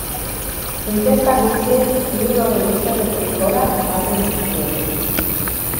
Inkesta guztiek hirurogei eserlekutik gora ematen dizkiete.